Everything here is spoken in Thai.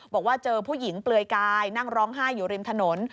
บอกว่าเจอผู้หญิงเปลือยกายนั่งร้องไห้อยู่ริมถนน